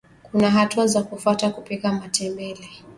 kuna hatua za kufata kupika matembele